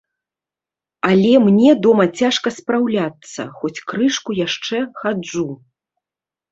Але мне дома цяжка спраўляцца, хоць крышку яшчэ хаджу.